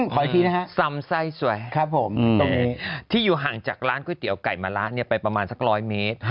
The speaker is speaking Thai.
ขออธินฮะสำไส้สวยที่อยู่ห่างจากร้านก๋วยเตี๋ยวก่ายมะลาไปประมาณสักร้อยเมตร